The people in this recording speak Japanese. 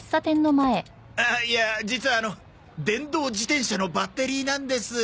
あっいや実はあの電動自転車のバッテリーなんです。